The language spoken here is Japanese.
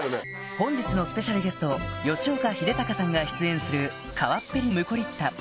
本日のスペシャルゲスト吉岡秀隆さんが出演する『川っぺりムコリッタ』